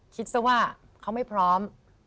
คิดซะว่าเขาไม่พร้อม